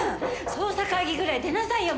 捜査会議ぐらい出なさいよ